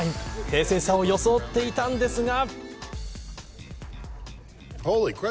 冷静さを装っていたんですが。